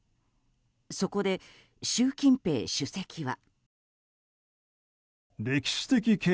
そこで習近平主席は。